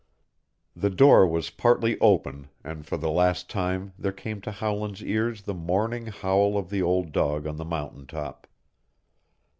The door was partly open and for the last time there came to Howland's ears the mourning howl of the old dog on the mountain top.